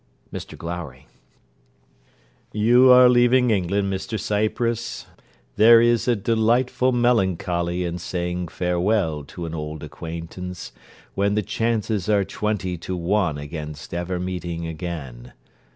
MR GLOWRY You are leaving England, Mr Cypress. There is a delightful melancholy in saying farewell to an old acquaintance, when the chances are twenty to one against ever meeting again.